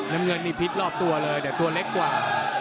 น้ำเงินนี่พิษรอบตัวเลยแต่ตัวเล็กกว่า